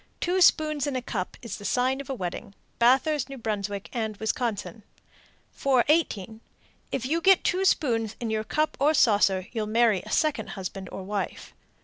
Two spoons in a cup is the sign of a wedding. Bathurst, N.B., and Wisconsin. 418. If you get two spoons in your cup or saucer, you'll marry a second husband or wife.